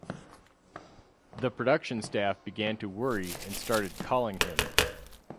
The production staff began to worry and started calling him.